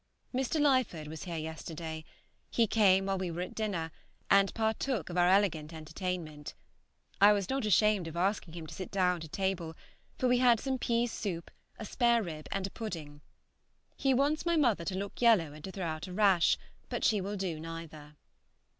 ... Mr. Lyford was here yesterday; he came while we were at dinner, and partook of our elegant entertainment. I was not ashamed at asking him to sit down to table, for we had some pease soup, a sparerib, and a pudding. He wants my mother to look yellow and to throw out a rash, but she will do neither.